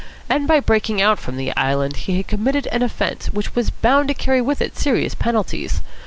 And by breaking out from the Island he had committed an offence which was bound to carry with it serious penalties.